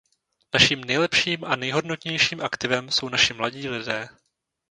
Našim nejlepším a nejhodnotnějším aktivem jsou naši mladí lidé.